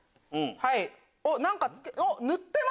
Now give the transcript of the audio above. はい！